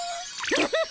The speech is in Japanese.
フフフ。